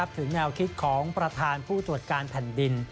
ถึงแนวคิดของประธานผู้ตรวจการแผ่นดิน